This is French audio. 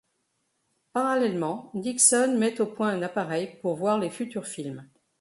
Parallèlement, Dickson met au point un appareil pour voir les futurs films.